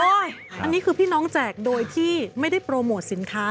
อันนี้คือพี่น้องแจกโดยที่ไม่ได้โปรโมทสินค้า